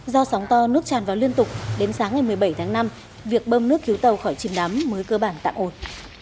do sóng to nước tràn vào liên tục đến sáng ngày một mươi bảy tháng năm việc bơm nước cứu tàu khỏi chìm đắm mới cơ bản tạm ổn